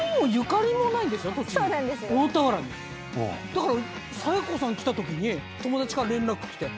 だから紗栄子さん来たときに友達から連絡来て。